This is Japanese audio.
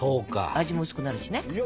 味も薄くなるしね。